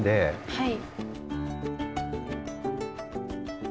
はい。